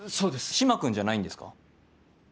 嶋君じゃないんですか？